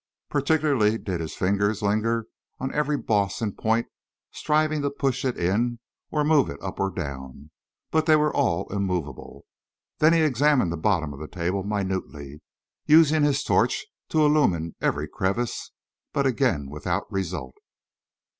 Particularly did his fingers linger on every boss and point, striving to push it in or move it up or down; but they were all immovable. Then he examined the bottom of the table minutely, using his torch to illumine every crevice; but again without result.